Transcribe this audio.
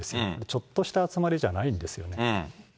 ちょっとした集まりじゃないんですよ。